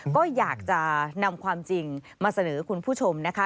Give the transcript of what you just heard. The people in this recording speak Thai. ก็อยากจะนำความจริงมาเสนอคุณผู้ชมนะคะ